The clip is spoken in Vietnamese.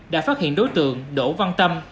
đã phát hiện đối tượng đỗ văn tâm